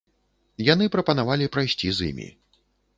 Яны прапанавалі прайсці з імі.